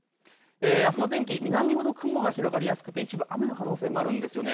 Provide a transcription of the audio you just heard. あすの天気、南ほど雲が広がりやすくて一部雨の可能性もあるんですよね。